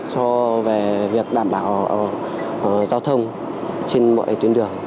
cho về việc đảm bảo giao thông trên mọi tuyến đường